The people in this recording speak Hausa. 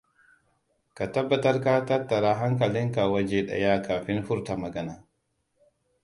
Ka tabbatar ka tattara hankalinka waje daya kafin furta magana.